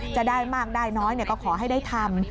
จะได้มากได้น้อยก็ขอให้ได้ทำ